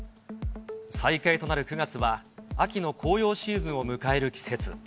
再開となる９月は秋の紅葉シーズンを迎える季節。